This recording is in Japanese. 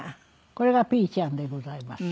これがぴーちゃんでございます。